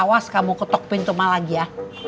awas kamu ketuk pintu mak lagi ya